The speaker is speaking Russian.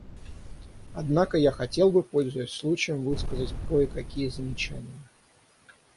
Однако я хотел бы, пользуясь случаем, высказать кое-какие замечания.